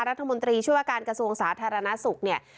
รัฐมนตรีช่วยว่าการกระทรวงสาธารณสุขเนี่ย